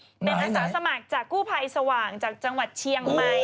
เป็นอาสาสมัครจากกู้ภัยสว่างจากจังหวัดเชียงใหม่